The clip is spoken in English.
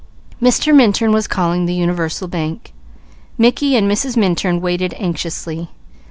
Mr. Minturn was calling the Universal Bank. Mickey and Mrs. Minturn waited anxiously.